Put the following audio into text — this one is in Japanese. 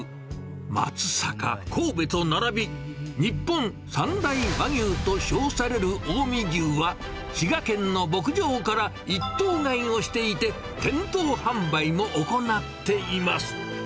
松阪、神戸と並び、日本三大和牛と称される近江牛は、滋賀県の牧場から１頭買いをしていて、店頭販売も行っています。